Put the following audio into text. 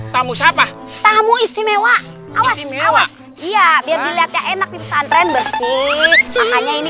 tamu istimewa tamu istimewa awas awas iya dia lihatnya enak pesantren bersih makanya ini